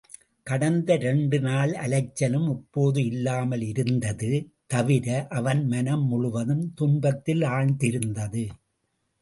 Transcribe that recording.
கடந்த இரண்டு நாள் அலைச்சலும் இப்போது இல்லாமல் இருந்தது, தவிர அவன் மனம் முழுவதும் துன்பத்திலாழ்ந்திருந்தது.